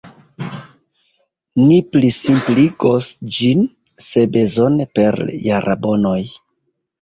Ni plisimpligos ĝin, se bezone, per jarabonoj.